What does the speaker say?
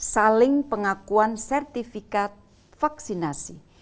saling pengakuan sertifikat vaksinasi